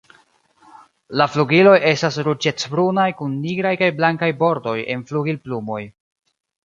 La flugiloj estas ruĝecbrunaj kun nigraj kaj blankaj bordoj en flugilplumoj.